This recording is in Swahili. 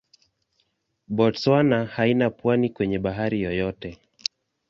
Botswana haina pwani kwenye bahari yoyote.